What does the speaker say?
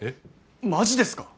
マジですか！？